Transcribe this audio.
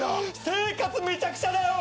生活めちゃくちゃだよ！